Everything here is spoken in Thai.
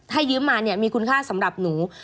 ถ้ายืมมาเนี่ยมีคุณค่าสำหรับหนู